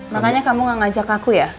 makanya kamu gak ngajak aku ya